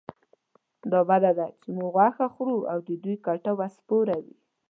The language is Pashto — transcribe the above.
دا بده ده چې موږ غوښه خورو او د دوی کټوه سپوره وي.